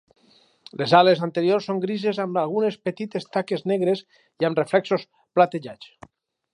Les ales anteriors són grises amb algunes petites taques negres i amb reflexos platejats.